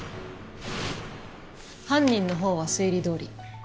犯人のほうは推理どおり。